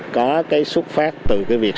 có cái xuất phát từ cái việc